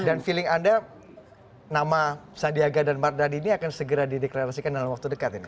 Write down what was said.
dan feeling anda nama sadiaga dan mardhani ini akan segera dideklarasikan dalam waktu dekat ini